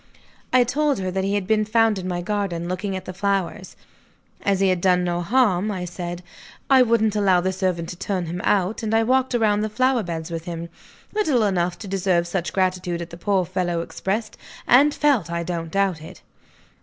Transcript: I told her that he had been found in my garden, looking at the flowers. "As he had done no harm," I said, "I wouldn't allow the servant to turn him out; and I walked round the flower beds with him. Little enough to deserve such gratitude as the poor fellow expressed and felt, I don't doubt it."